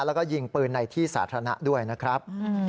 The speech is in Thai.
แล้วก็ยิงปืนในที่สาธารณะด้วยนะครับ